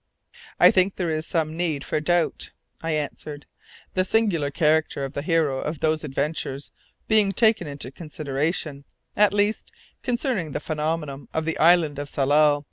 "I think there is some need for doubt," I answered "the singular character of the hero of those adventures being taken into consideration at least concerning the phenomena of the island of Tsalal.